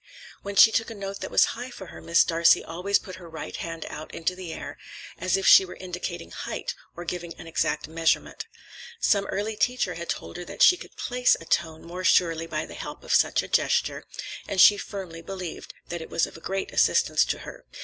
When she took a note that was high for her, Miss Darcey always put her right hand out into the air, as if she were indicating height, or giving an exact measurement. Some early teacher had told her that she could "place" a tone more surely by the help of such a gesture, and she firmly believed that it was of great assistance to her.